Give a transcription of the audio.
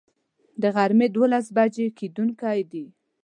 د غرمي دولس بجي کیدونکی دی